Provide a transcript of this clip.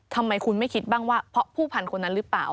ทำไมคุณไม่คิดบ้างว่าเพราะผู้พันคนนั้นหรือเปล่า